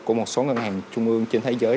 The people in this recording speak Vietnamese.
của một số ngân hàng trung ương trên thế giới